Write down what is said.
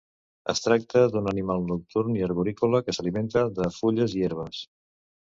Es tracta d'un animal nocturn i arborícola que s'alimenta de fulles i herbes.